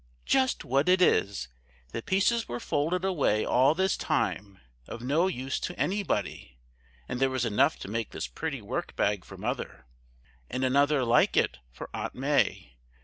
"Just what it is! The pieces were folded away all this time, of no use to anybody. And there was enough to make this pretty work bag for mother, and another like it for Aunt May.